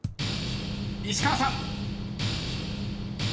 ［石川さん］